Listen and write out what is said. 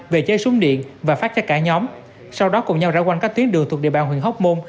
về chế súng điện và phát cho cả nhóm sau đó cùng nhau rão quanh các tuyến đường thuộc địa bàn huyện hóc môn